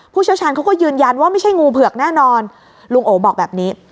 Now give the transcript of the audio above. เชี่ยวชาญเขาก็ยืนยันว่าไม่ใช่งูเผือกแน่นอนลุงโอบอกแบบนี้